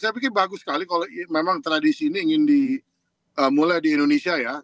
saya pikir bagus sekali kalau memang tradisi ini ingin dimulai di indonesia ya